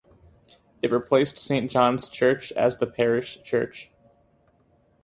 It replaced Saint John's church as the parish church.